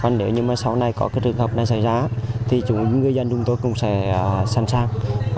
nếu sau này có trường hợp xảy ra thì người dân của chúng tôi cũng sẽ sẵn sàng